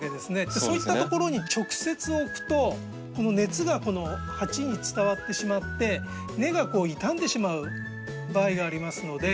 そういったところに直接置くとこの熱がこの鉢に伝わってしまって根が傷んでしまう場合がありますので。